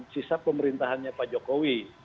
sisa pemerintahannya pak jokowi